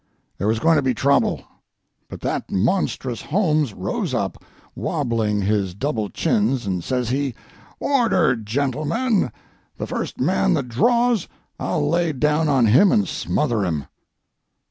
There was going to be trouble; but that monstrous Holmes rose up, wobbling his double chins, and says he, 'Order, gentlemen; the first man that draws, I'll lay down on him and smother him!'